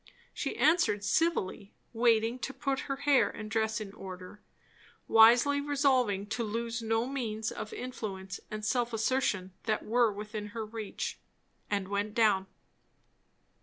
She answered civilly; waited to put her hair and dress in order, wisely resolving to lose no means of influence and self assertion that were within her reach; and went down.